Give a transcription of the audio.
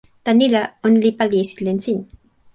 tan ni la, ona li pali e sitelen sin.